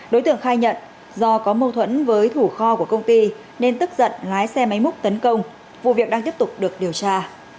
đối tượng khai nhận do có mâu thuẫn với thủ kho của công ty nên tức giận lái xe máy múc tấn công vụ việc đang tiếp tục được điều tra